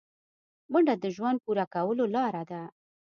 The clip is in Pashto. منډه د ژوند پوره کولو لاره ده